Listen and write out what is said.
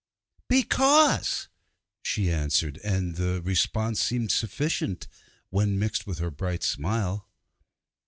'Because,' she answered; and the response seemed sufficient when mixed with her bright smile.